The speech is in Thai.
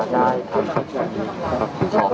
สวัสดีครับ